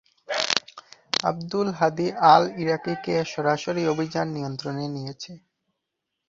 আবদুল হাদী আল-ইরাকিকে সরাসরি অভিযান নিয়ন্ত্রণে নিয়েছে।